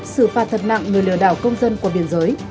xử phạt thật nặng người lừa đảo công dân qua biên giới